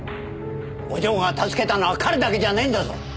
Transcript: お嬢が助けたのは彼だけじゃねえんだぞ！